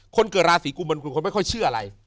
คนเกิดราศีกุมมันคือคนไม่ค่อยเชื่ออะไร